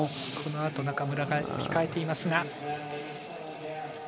このあと中村が控えていますが。